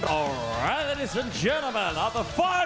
ทุกคนทุกคนทุกท่านตอนที่๕รอบของการต่อไป